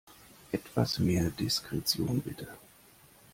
Etwas mehr Diskretion, bitte!